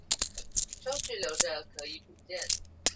收據留著，可以補件